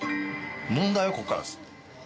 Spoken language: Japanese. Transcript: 問題はこっからです。